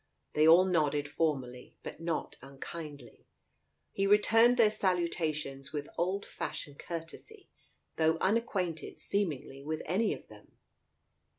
They all nodded formally, but not unkindly. He returned their saluta tions with old fashioned courtesy, though unacquainted seemingly with any of them.